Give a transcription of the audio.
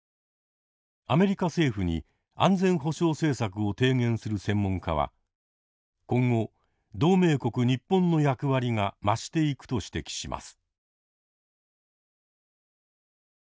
アメリカ政府に安全保障政策を提言する専門家は今後同盟国日本の役割が増していくと指摘します。